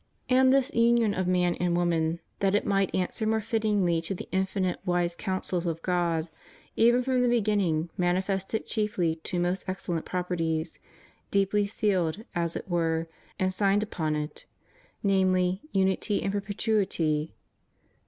And this union of man and woman, that it might answer more fittingly to the infinitely wise counsels of God, even from that beginning manifested chiefly two most excellent properties — deeply sealed, at it were, and signed upon it — namely, unity and perpetuity.